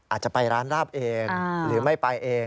อาจจะไปร้านราบเองหรือไม่ไปเอง